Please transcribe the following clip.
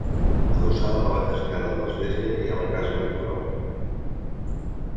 Adossada a la banda esquerra de l'església hi ha la casa rectoral.